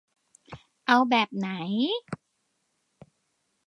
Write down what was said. เอาแบบไหน ?